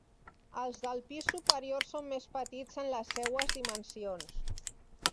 Els del pis superior són més petits en les seues dimensions.